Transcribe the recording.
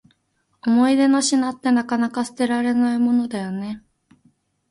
思い出の品って、なかなか捨てられないものだよね。